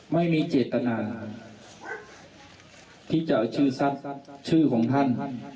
ไม่มีเจตนาที่จะเอาชื่อสั้นชื่อของท่านท่าน